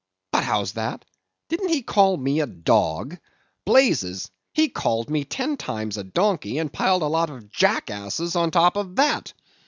But how's that? didn't he call me a dog? blazes! he called me ten times a donkey, and piled a lot of jackasses on top of _that!